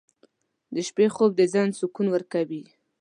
• د شپې خوب د ذهن سکون ورکوي.